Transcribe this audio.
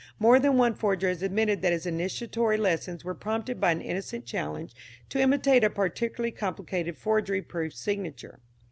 More than one forger has admitted that his initiatory lessons were prompted by an innocent challenge to imitate a particularly complicated "forgery proof" signature.